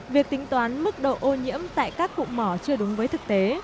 việc tính toán mức độ ô nhiễm tại các cụm mỏ chưa đúng với thực tế